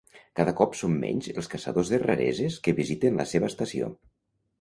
Cada cop són menys els caçadors de rareses que visiten la seva estació.